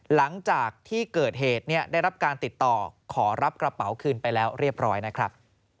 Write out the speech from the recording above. หลังจากที่เกิดเหตุได้รับการติดต่อขอรับกระเป๋าคืนไปแล้วเรียบร้อยนะครับ